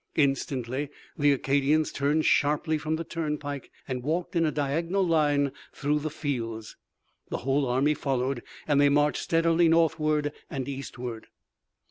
Instantly the Acadians turned sharply from the turnpike and walked in a diagonal line through the fields. The whole army followed and they marched steadily northward and eastward.